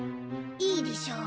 いいでぃしょう。